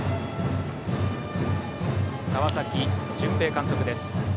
川崎絢平監督です。